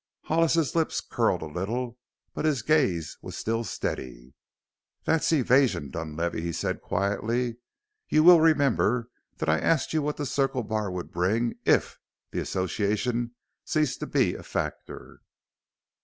Hollis's lips curled a little, but his gaze was still steady. "That's evasion, Dunlavey," he said quietly. "You will remember that I asked you what the Circle Bar would bring 'if' the Association ceased to be a factor."